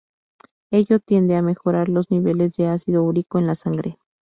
Ello tiende a mejorar los niveles de ácido úrico en la sangre.